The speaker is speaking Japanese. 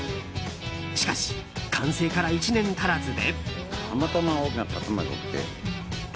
しかし、完成から１年足らずで。